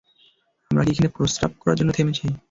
আমরা কী এখানে প্রসাব করার জন্য থেমেছি!